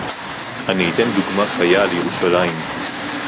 אני אתן דוגמה חיה על ירושלים